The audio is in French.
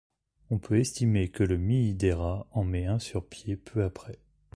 On peut estimer que le Mii-dera en met un sur pieds peu après.